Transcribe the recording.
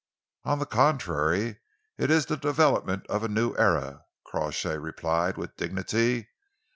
"On the contrary, it is the development of a new era," Crawshay replied, with dignity.